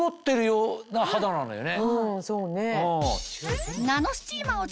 うんそうね。